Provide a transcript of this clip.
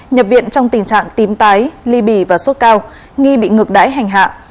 nhập viện trong tình trạng tím tái ly bì và sốt cao nghi bị ngược đãi hành hạ